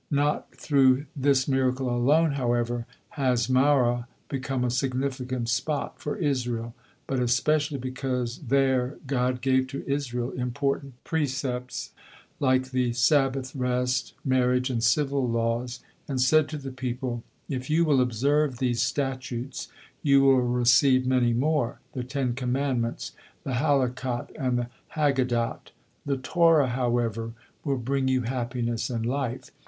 Not through this miracle alone, however, has Marah become a significant spot for Israel, but, especially, because there God gave to Israel important percepts, like the Sabbath rest, marriage and civil laws, and said to the people: "If you will observe these statutes, you will receive many more, the Ten Commandments, the Halakot, and the Haggadot; the Torah, however, will bring you happiness and life.